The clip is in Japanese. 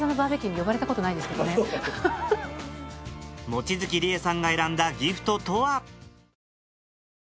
望月理恵さんが選んだギフトとは？